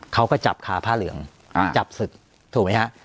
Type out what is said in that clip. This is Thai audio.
เขาก็จับคาผ้าเหลืองจับศึกถูกไหมฮะ